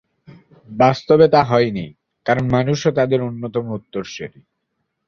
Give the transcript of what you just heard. বাস্তবে তা হয়নি, কারণ মানুষও তাদের অন্যতম উত্তরসূরী।